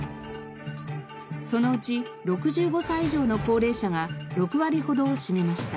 そのうち６５歳以上の高齢者が６割ほどを占めました。